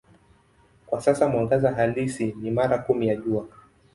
Kwa sasa mwangaza halisi ni mara kumi ya Jua.